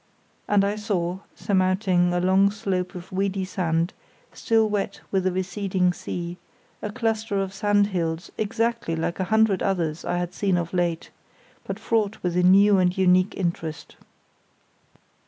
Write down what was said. and I saw, surmounting a long slope of weedy sand, still wet with the receding sea, a cluster of sandhills exactly like a hundred others I had seen of late, but fraught with a new and unique interest.